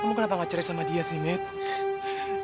kamu kenapa gak cerai sama dia sih minta